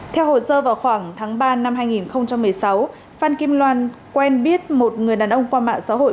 theo hồ sơ vào khoảng tháng ba năm hai nghìn một mươi sáu phan kim loan quen biết một người đàn ông qua mạng xã hội